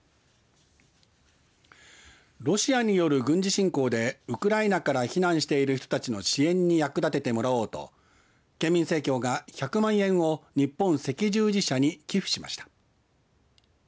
ロシアによる軍事侵攻でウクライナから避難している人たちの支援に役立ててもらおうと県民生協が１００万円を日本赤十字社に寄付しました。